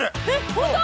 本当？